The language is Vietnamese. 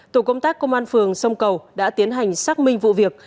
tổ công tác công an phường sông cầu đã tiến hành xác minh vụ việc